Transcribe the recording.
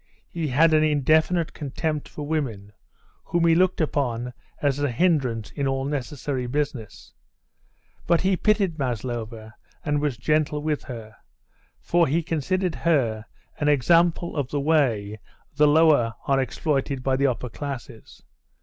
He had an indefinite contempt for women, whom he looked upon as a hindrance in all necessary business. But he pitied Maslova and was gentle with her, for he considered her an example of the way the lower are exploited by the upper classes.